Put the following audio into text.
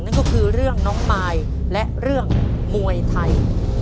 นั่นก็คือเรื่องน้องมายและเรื่องมวยไทย